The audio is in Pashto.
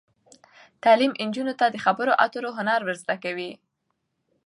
تعلیم نجونو ته د خبرو اترو هنر ور زده کوي.